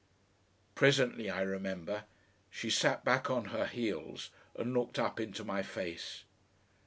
Presently, I remember, she sat back on her heels and looked up into my face.